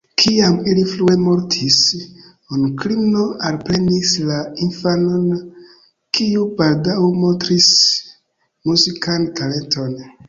Kiam ili frue mortis, onklino alprenis la infanon, kiu baldaŭ montris muzikan talenton.